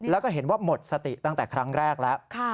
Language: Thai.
แล้วก็เห็นว่าหมดสติตั้งแต่ครั้งแรกแล้ว